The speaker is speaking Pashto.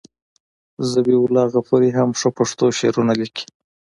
ذبیح الله غفوري هم ښه پښتو شعرونه لیکي.